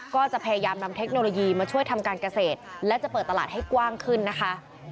ก็จะพยายามนำเทคโนโลยีมาช่วยทำการเกษตรและจะเปิดตลาดให้กว้างขึ้นนะคะ